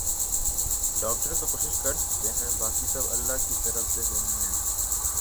doctor تو کوشش کر سکتے ہیں باقی سب اللہ کی طرف سے ھوتی ہے